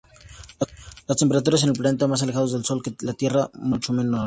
Las temperaturas en planetas más alejados del Sol que la Tierra son mucho menores.